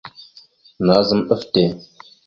Nazam ɗaf te.